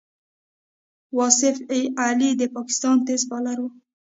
واصف علي د پاکستان تېز بالر وو.